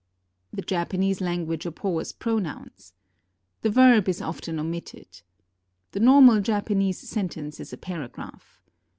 "The Japanese language abhors pronouns." "The verb is often omitted." "The normal Japanese sentence is a paragraph."